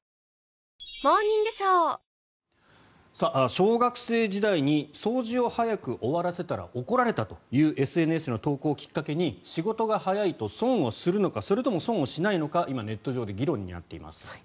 小学生時代に掃除を早く終わらせたら怒られたというＳＮＳの投稿をきっかけに仕事が早いと損をするのかそれとも損をしないのか今、ネット上で議論になっています。